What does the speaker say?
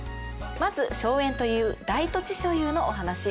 まず荘園という大土地所有のお話。